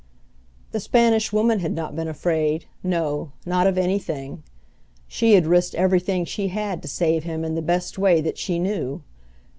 The Spanish Woman had not been afraid, no, not of anything! She had risked everything that she had to save him in the best way that she knew.